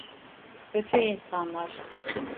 Kötü insanlar.